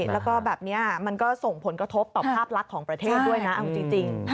แล้วก็แบบนี้มันก็ส่งผลกระทบต่อภาพลักษณ์ของประเทศด้วยนะเอาจริง